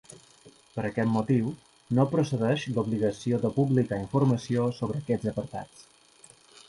Per aquest motiu, no procedeix l'obligació de publicar informació sobre aquests apartats.